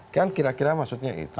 kan kira kira maksudnya itu